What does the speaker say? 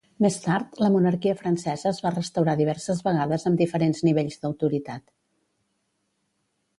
Més tard, la monarquia francesa es va restaurar diverses vegades amb diferents nivells d'autoritat.